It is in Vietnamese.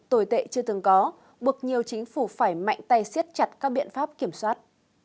tồi tệ chưa từng có buộc nhiều chính phủ phải mạnh tay siết chặt các biện pháp kiểm soát